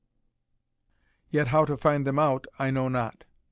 Yet how to find them out I know not."